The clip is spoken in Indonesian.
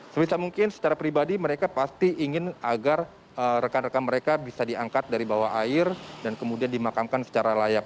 sebisa mungkin secara pribadi mereka pasti ingin agar rekan rekan mereka bisa diangkat dari bawah air dan kemudian dimakamkan secara layak